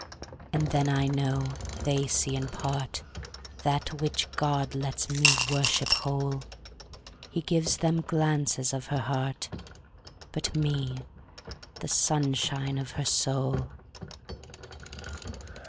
And then I know they see in partThat which God lets me worship whole:He gives them glances of her heart, But me, the sunshine of her soul.